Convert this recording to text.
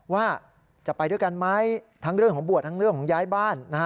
ว่าจะไปด้วยกันไหมทั้งเรื่องของบวชทั้งเรื่องของย้ายบ้าน